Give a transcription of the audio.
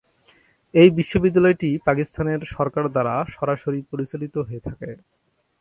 এই বিশ্ববিদ্যালয়টি পাকিস্তানের সরকার দ্বারা সরাসরি পরিচালিত হয়ে থাকে।